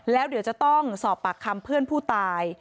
แล้วเดี๋ยวจะต้องสอบปากคำเพื่อนผู้ตาย